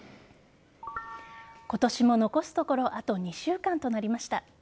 今年も残すところあと２週間となりました。